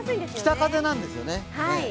北風なんですよね。